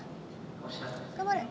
頑張れ。